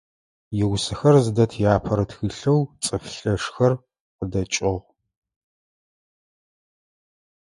Иусэхэр зыдэт иапэрэ тхылъэу «Цӏыф лъэшхэр» къыдэкӏыгъ.